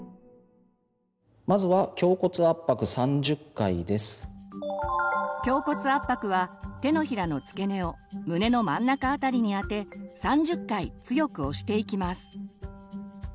まずは胸骨圧迫は手のひらの付け根を胸の真ん中あたりにあて３０回強く押していきます。